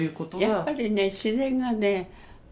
やっぱりね自然がね